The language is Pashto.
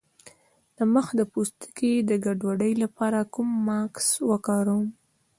د مخ د پوستکي د ګډوډۍ لپاره کوم ماسک وکاروم؟